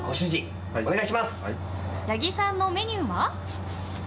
八木さんのメニューは？